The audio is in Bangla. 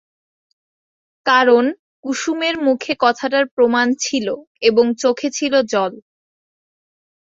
কারণ, কুসুমের মুখে কথাটার প্রমাণ ছিল এবং চোখে ছিল জল।